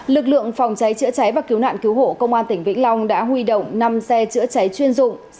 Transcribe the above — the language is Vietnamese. lực lượng phòng cháy chữa cháy và cứu nạn cứu hộ công an tỉnh vĩnh long đã huy động năm xe chữa cháy chuyên dụng